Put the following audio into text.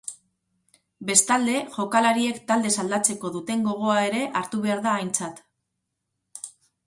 Bestalde, jokalariek taldez aldatzeko duten gogoa ere hartu behar da aintzat.